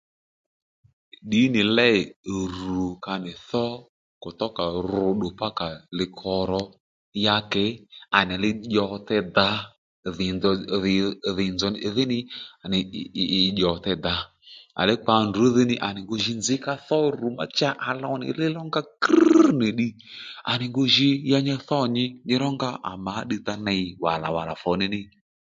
Ddǐnì léy rù ka nì thó kùtókà ru ddù pákà li koró ya kě à nì li dyòte dǎ dhì nzò dhì nzòw dhí ni à nì ì dyòtey dǎ à ley kpa ndrǔ dhí ní ni à nì ngu jǐ nzǐ ka thó rù má cha à low nì li rónga krŕ nì ddiy à nì ngu jǐ ya nyi thô nyi nyi rónga à mǎ ddiy tá ney wàlà wàlà fù níní